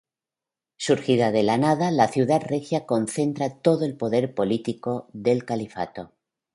Surgida de la nada, la ciudad regia concentra todo el poder político del califato.